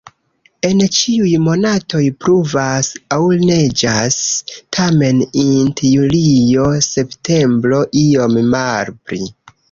En ĉiuj monatoj pluvas aŭ neĝas, tamen int julio-septembro iom malpli.